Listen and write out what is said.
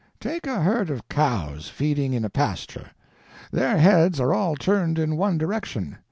Take a herd of cows, feeding in a pasture. Their heads are all turned in one direction.